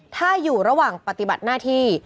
ถ้าอยู่ระหว่างปฏิบัติหน้าที่